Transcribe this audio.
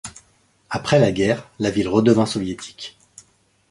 Après la guerre, la ville redevint soviétique.